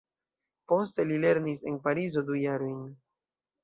Poste li lernis en Parizo du jarojn.